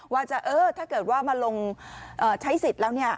ว่าจะถ้าเกิดว่ามาลงใช้สิทธิ์แล้ว